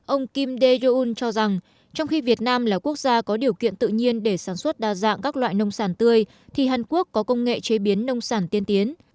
ông kimdejun cho rằng trong khi việt nam là quốc gia có điều kiện tự nhiên để sản xuất đa dạng các loại nông sản tươi thì hàn quốc có công nghệ chế biến nông sản tiên tiến